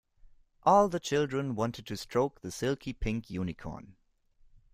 All the children wanted to stroke the silky pink unicorn